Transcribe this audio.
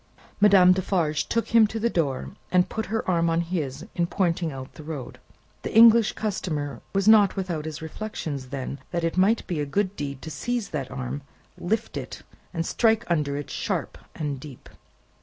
Madame Defarge took him to the door, and put her arm on his, in pointing out the road. The English customer was not without his reflections then, that it might be a good deed to seize that arm, lift it, and strike under it sharp and deep.